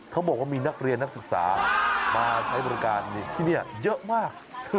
เขาบอกว่ามีนักเรียนนักศึกษามาใช้บริการที่นี่เยอะมาก